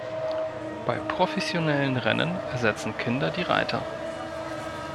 Bei professionellen Rennen ersetzen Kinder die Reiter.